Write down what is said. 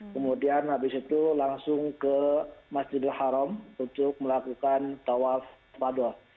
kemudian habis itu langsung ke masjidil haram untuk melakukan tawaf fadoh